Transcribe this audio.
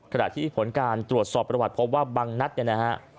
ขณะที่ผลการตรวจสอบประวัติพบว่าบางนัดเนี่ยนะฮะ